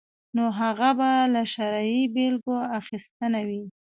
نو هغه به له شعري بېلګو اخیستنه وي.